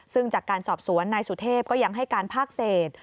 ซึ่งจากการสอบสวนนายสุเทพก็ยังให้การภาคเศษ